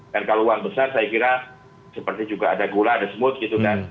dan kalau uang besar saya kira seperti juga ada gula ada semut gitu kan